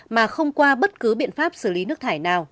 mà không qua bất cứ biện pháp xử lý nước thải nào